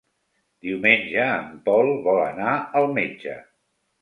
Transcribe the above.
Diumenge en Pol vol anar al metge.